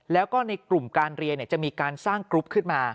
แล้วก็ในกลุ่มการเรียนจะมีการสร้างกรุ๊ปขึ้นมา